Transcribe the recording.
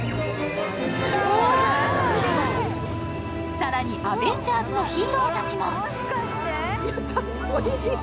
更に、アベンジャーズのヒーローたちも。